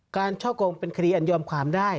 ช่อกงเป็นคดีอันยอมความได้